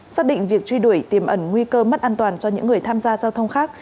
xác định việc truy đuổi tiềm ẩn nguy cơ mất an toàn cho những người tham gia giao thông khác